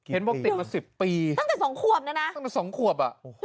ตั้งแต่๒ครวบ